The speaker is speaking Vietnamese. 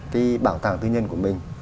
cái bảo tàng tư nhân của mình